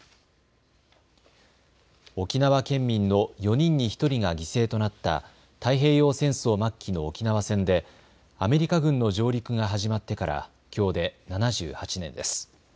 沖縄県民の４人に１人が犠牲となった太平洋戦争末期の沖縄戦でアメリカ軍の上陸が始まってからきょうで７８年です。